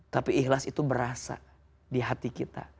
tapi ikhlas itu berasa di hati kita